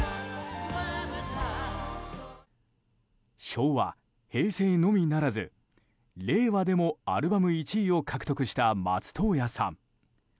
昭和、平成のみならず令和でもアルバム１位を獲得した松任谷さん。